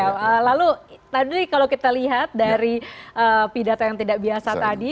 ya lalu tadi kalau kita lihat dari pidato yang tidak biasa tadi